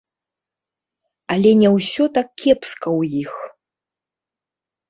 Але не ўсё так кепска ў іх.